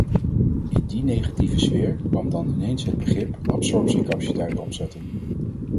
In die negatieve sfeer kwam dan ineens het begrip absorptiecapaciteit opzetten.